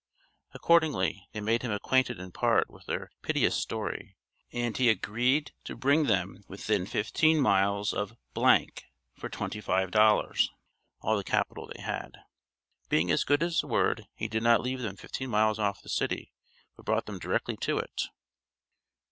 Accordingly they made him acquainted in part with their piteous story, and he agreed to bring them within fifteen miles of for twenty five dollars, all the capital they had. Being as good as his word, he did not leave them fifteen miles off the city, but brought them directly to it."